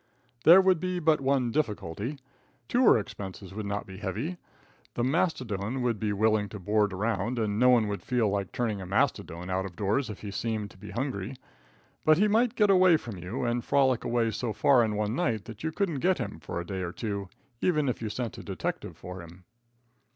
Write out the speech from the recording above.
There would be but one difficulty. Tour expenses would not be heavy. The mastodon would be willing to board around, and no one would feel like turning a mastodon out of doors if he seemed to be hungry; but he might get away from you and frolic away so far in one night that you couldn't get him for a day or two, even if you sent a detective for him.